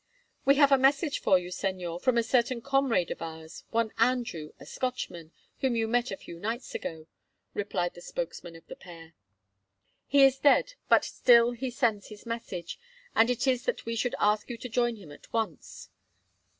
"We have a message for you, Señor, from a certain comrade of ours, one Andrew, a Scotchman, whom you met a few nights ago," replied the spokesman of the pair. "He is dead, but still he sends his message, and it is that we should ask you to join him at once.